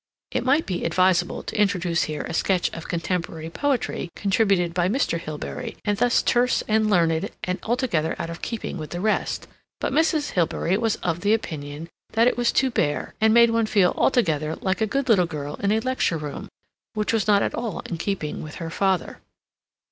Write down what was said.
It might be advisable to introduce here a sketch of contemporary poetry contributed by Mr. Hilbery, and thus terse and learned and altogether out of keeping with the rest, but Mrs. Hilbery was of opinion that it was too bare, and made one feel altogether like a good little girl in a lecture room, which was not at all in keeping with her father.